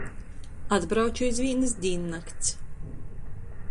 Atbrauču iz vīnys dīnnakts.